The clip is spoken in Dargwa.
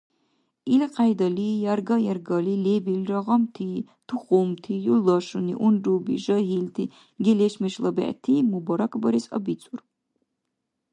Илкьяйдали ярга-яргали, лебилра гъамти, тухумти, юлдашуни, унруби, жагьилти, гелешмешла бегӀти мубаракбарес абицӀур.